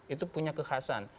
itu punya kekhasan